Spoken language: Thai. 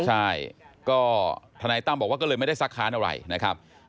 ใช่ก็ทนายตั้มบอกว่าก็เลยไม่ได้ซักค้านอะไรนะครับ